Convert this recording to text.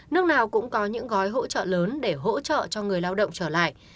nước nào cũng có những gói hỗ trợ lớn để hỗ trợ cho người lao động trở lại